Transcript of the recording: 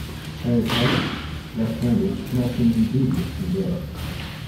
"Chiotaich", "left-handed", can also mean "devious" in Gaelic.